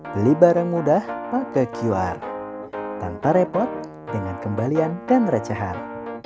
beli barang mudah pakai qr tanpa repot dengan kembalian dan recehan